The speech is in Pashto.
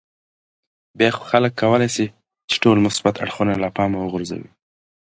بیا خو خلک کولای شي ټول مثبت اړخونه له پامه وغورځوي.